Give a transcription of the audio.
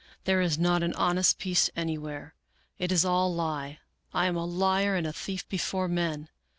There is not an honest piece anywhere. It is all lie. I am a liar and a thief before men.